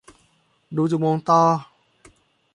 ดูจูมงต่อ